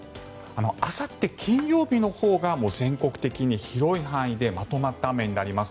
あさって金曜日のほうが全国的に広い範囲でまとまった雨になります。